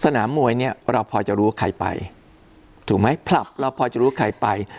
สนามมวยเนี่ยเราพอจะรู้ว่าใครไปถูกไหมผลับเราพอจะรู้ใครไป